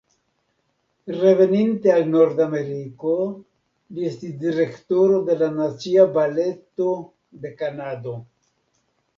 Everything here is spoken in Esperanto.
Reveninte al Nordameriko, li estis direktoro de la Nacia Baleto de Kanado.